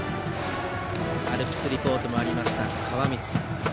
アルプスリポートにもありました川満。